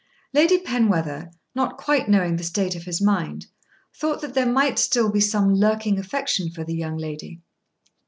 Lady Penwether, not quite knowing the state of his mind, thought that there might still be some lurking affection for the young lady.